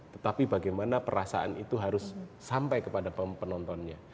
tetapi bagaimana perasaan itu harus sampai kepada penontonnya